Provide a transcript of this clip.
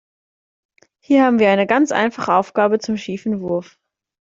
Hier haben wir eine ganz einfache Aufgabe zum schiefen Wurf.